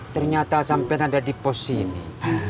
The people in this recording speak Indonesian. ternyata sampai ada di pos sini